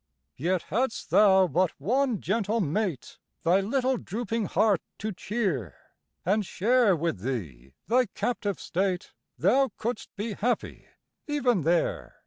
Yet, hadst thou but one gentle mate Thy little drooping heart to cheer, And share with thee thy captive state, Thou couldst be happy even there.